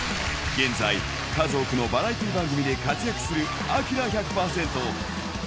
現在、数多くのバラエティー番組で活躍するアキラ１００％。